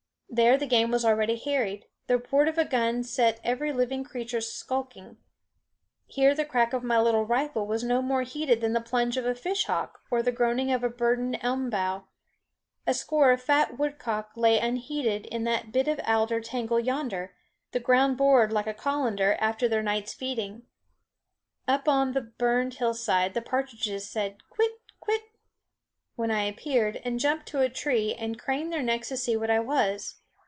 There the game was already harried; the report of a gun set every living creature skulking. Here the crack of my little rifle was no more heeded than the plunge of a fish hawk, or the groaning of a burdened elm bough. A score of fat woodcock lay unheeding in that bit of alder tangle yonder, the ground bored like a colander after their night's feeding. Up on the burned hillside the partridges said, quit, quit! when I appeared, and jumped to a tree and craned their necks to see what I was.